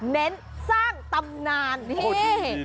เน้นสร้างตำนานโอ้โฮดี